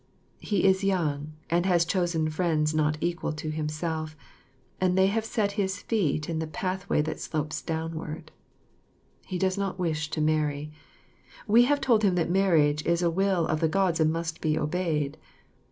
He is young, and has chosen friends not equal to himself, and they have set his feet in the path way that slopes downward. [Illustration: Mylady11.] He does not wish to marry. We have told him that marriage is a will of the Gods and must be obeyed.